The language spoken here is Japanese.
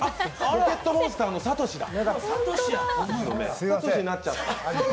「ポケットモンスター」のサトシだ。